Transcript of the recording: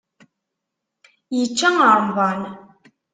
Yečča remḍan.